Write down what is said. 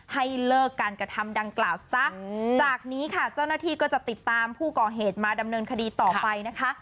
ให้เลิกการกระทำดังกล่าวซะจากนี้ค่ะเจ้าหน้าที่ก็จะติดตามผู้ก่อเหตุมาดำเนินคดีต่อไปนะคะ